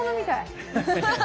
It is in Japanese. ハハハハ！